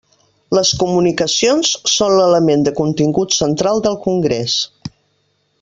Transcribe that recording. Les COMUNICACIONS són l'element de contingut central del Congrés.